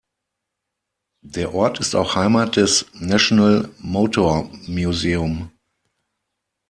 Der Ort ist auch Heimat des "National Motor Museum".